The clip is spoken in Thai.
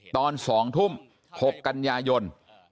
ตอน๒ทุ่ม๖กันยายน